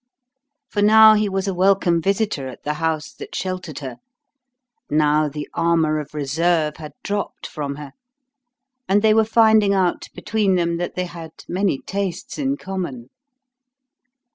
For now he was a welcome visitor at the house that sheltered her; now the armour of reserve had dropped from her, and they were finding out between them that they had many tastes in common.